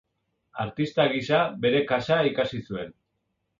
Artista gisa bere kasa ikasi zuen.